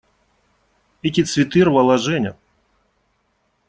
Эти цветы рвала Женя.